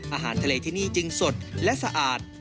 อาหารทะเลที่นี่จึงสดและสะอาด